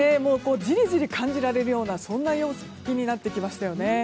じりじり感じられるような陽気になってきましたね。